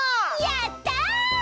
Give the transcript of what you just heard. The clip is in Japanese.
やった！